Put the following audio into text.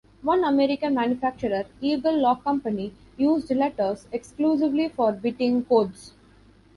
One American manufacturer, Eagle Lock Company, used letters exclusively for bitting codes.